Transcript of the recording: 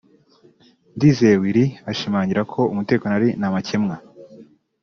Ndizeye Willy ashimangira ko umutekano ari nta makemwa